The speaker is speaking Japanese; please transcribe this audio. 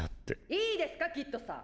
・いいですかキッドさん！！